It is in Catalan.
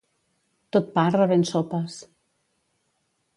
Tot pa revén sopes.